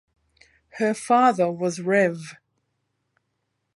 Her father was Rev.